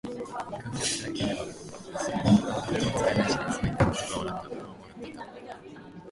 「紙を捨てなけれれば、あの車も使えないしね」そう言って、男は笑った。顔も笑っていた。